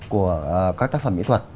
của các tác phẩm mỹ thuật